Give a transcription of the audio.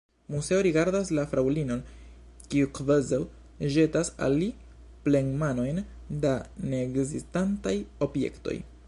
Moseo rigardas la fraŭlinon, kiu kvazaŭ ĵetas al li plenmanojn da neekzistantaj objektoj.